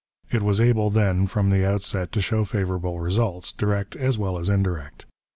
It was able, then, from the outset to show favourable results, direct as well as indirect.